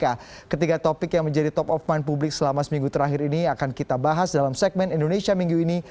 ketiga topik yang menjadi top of mind publik selama seminggu terakhir ini akan kita bahas dalam segmen indonesia minggu ini